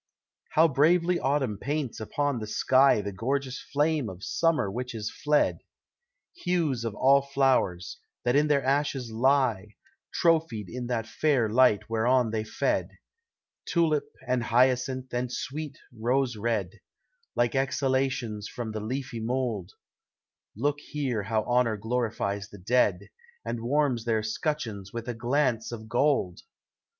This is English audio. How bravely Autumn paints upon the sky The gorgeous fame of Summer which is fled! Hues of all flow'rs, that in their ashes lie, Trophied in that fair light whereon they fed, Tulip, and hyacinth, and sweet rose red, Like exhalations from the leafy mould, Look here how honor glorifies the dead, And warms their scutcheons with a glance of gold!